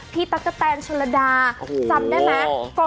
ตั๊กกะแตนชนระดาจำได้ไหม